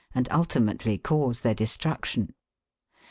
and ultimately cause their destruction.